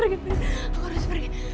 aku harus pergi